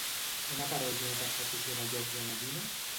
On apareix una persecució de llops a la Lluna?